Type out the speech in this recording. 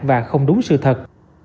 và không đúng sự thật